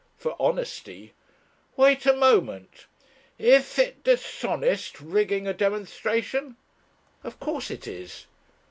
"For honesty." "Wait a moment. Is it dishonest rigging a demonstration?" "Of course it is."